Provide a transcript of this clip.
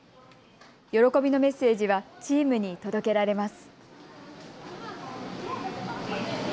喜びのメッセージはチームに届けられます。